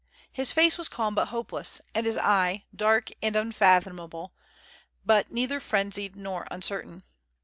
His face was calm but hopeless, and his eye, dark and unfathomable, but neither frenzied nor uncertain.